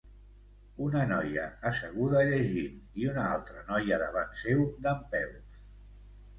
Una noia asseguda llegint i una altra noia davant seu dempeus.